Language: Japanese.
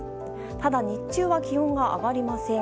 ただ、日中は気温が上がりません。